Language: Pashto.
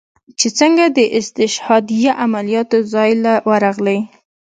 چې سنګه د استشهاديه عملياتو زاى له ورغلې.